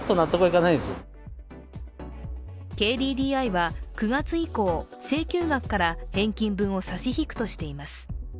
ＫＤＤＩは９月以降、請求額から返金分を差し引くとしています。